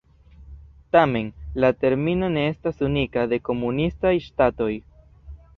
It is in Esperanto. Tamen, la termino ne estas unika de komunistaj ŝtatoj.